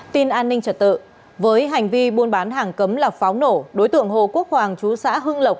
tin an ninh trật tự với hành vi buôn bán hàng cấm là pháo nổ đối tượng hồ quốc hoàng chú xã hưng lộc